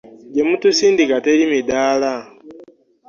Gye mutusindika teri midaala.